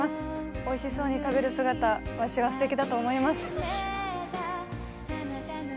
おいしそうに食べる姿、ワシはすてきだと思います。